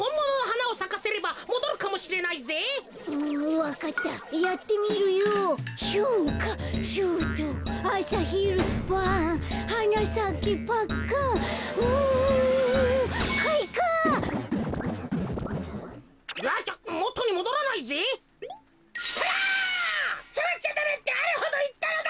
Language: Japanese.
さわっちゃダメってあれほどいったのだ！